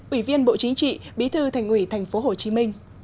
ủy viên bộ chính trị bí thư thành ủy tp hcm